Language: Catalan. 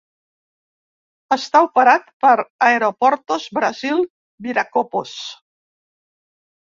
Està operat per Aeroportos Brasil Viracopos.